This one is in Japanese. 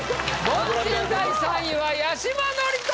凡人第３位は八嶋智人！